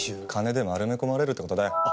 金で丸め込まれるって事だよ！